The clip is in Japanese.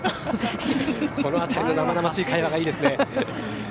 この辺りの生々しい会話がいいですね。